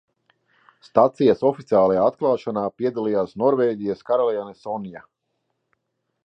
Stacijas oficiālajā atklāšanā piedalījās Norvēģijas karaliene Sonja.